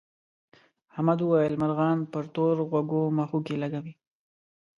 احمد وویل مرغان پر تور غوږو مښوکې لکوي.